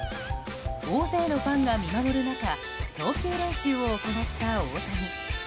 大勢のファンが見守る中投球練習を行った大谷。